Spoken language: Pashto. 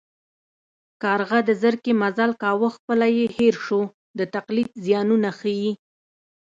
کارغه د زرکې مزل کاوه خپل یې هېر شو د تقلید زیانونه ښيي